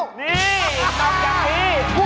นี่เสัตว์จันทรี่